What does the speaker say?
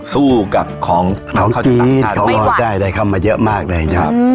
สู้กับของของจีนของจีนได้ได้เข้ามาเยอะมากเลยนะครับครับ